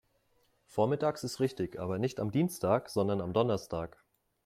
Vormittags ist richtig, aber nicht am Dienstag, sondern am Donnerstag.